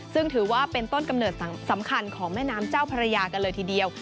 ซึ่งถือว่าเป็นต้นกำเนิดสำคัญของแม่น้ำเจ้าพระยากันเลยทีเดียว